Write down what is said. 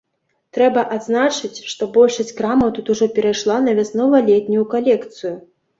Трэба адзначыць, што большасць крамаў тут ужо перайшла на вяснова-летнюю калекцыю.